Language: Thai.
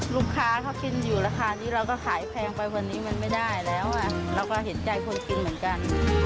ลูกค้าเขากินอยู่ราคานี้เราก็ขายแพงไปวันนี้มันไม่ได้แล้วเราก็เห็นใจคนกินเหมือนกัน